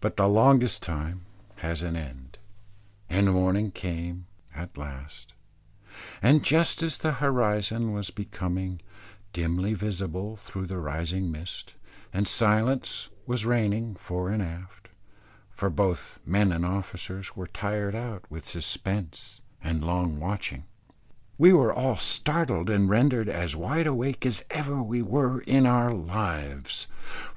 But the longest time has an end, and morning came at last, and just as the horizon was becoming dimly visible through the rising mist, and silence was reigning fore and aft for both men and officers were tired out with suspense and long watching we were all startled and rendered as wide awake as ever we were in our lives.